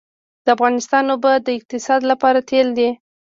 د افغانستان اوبه د اقتصاد لپاره تیل دي